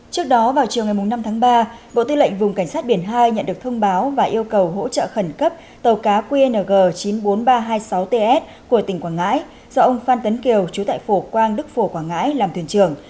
trước đó vào chiều ngày năm tháng ba bộ tư lệnh vùng cảnh sát biển hai nhận được thông báo và yêu cầu hỗ trợ khẩn cấp tàu cá qng chín mươi bốn nghìn ba trăm hai mươi sáu ts của tỉnh quảng ngãi do ông phan tấn kiều chú tại phổ quang đức phổ quảng ngãi làm thuyền trưởng